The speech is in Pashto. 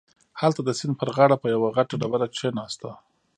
هلته د سيند پر غاړه په يوه غټه ډبره کښېناسته.